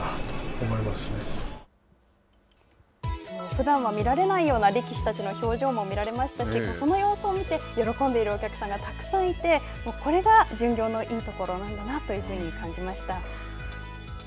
ふだんは見られないような力士たちの表情も見られましたしその様子を見て喜んでいるお客さんがたくさんいてこれが巡業のいいところなんだなというふうに感じました。